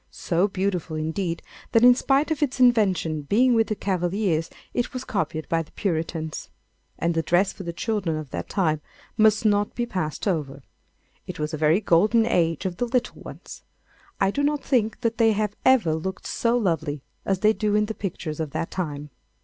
so beautiful indeed, that in spite of its invention being with the Cavaliers it was copied by the Puritans. And the dress for the children of that time must not be passed over. It was a very golden age of the little ones. I do not think that they have ever looked so lovely as they do in the pictures of that time.